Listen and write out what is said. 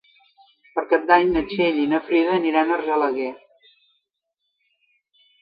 Per Cap d'Any na Txell i na Frida aniran a Argelaguer.